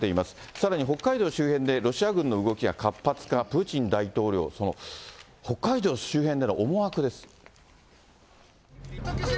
さらに北海道周辺でロシア軍の動きが活発化、プーチン大統領、北海道の周辺での思惑です。